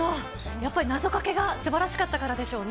やっぱり謎かけがすばらしかったからでしょうね。